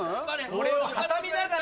これを挟みながら。